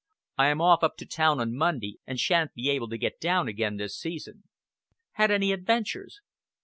I am off up to town on Monday and sha'n't be able to get down again this season." "Had any adventures?"